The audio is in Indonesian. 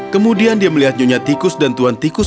kemudian dia melihat nyonya tikus dan tuan tikus